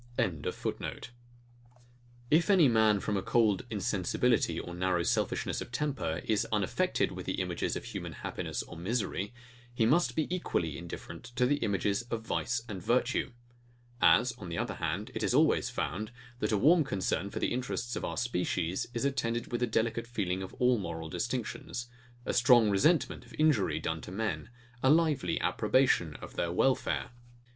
] If any man from a cold insensibility, or narrow selfishness of temper, is unaffected with the images of human happiness or misery, he must be equally indifferent to the images of vice and virtue: As, on the other hand, it is always found, that a warm concern for the interests of our species is attended with a delicate feeling of all moral distinctions; a strong resentment of injury done to men; a lively approbation of their welfare.